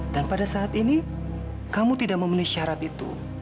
pada saat ini kamu tidak memenuhi syarat itu